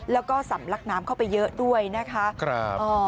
แล้วก็สำลักน้ำเข้าไปเยอะด้วยนะคะ